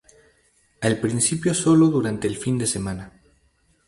Al principio solo durante el fin de semana.